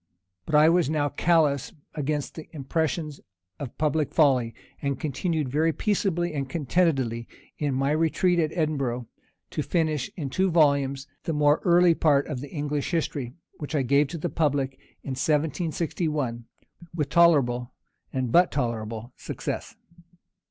But I was now callous against the impressions of public folly, and continued very peaceably and contentedly, in my retreat at Edinburgh, to finish, in two volumes, the more early part of the English history, which I gave to the public in 1761, with tolerable, and but tolerable, success.